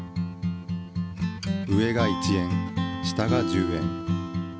上が１円下が１０円。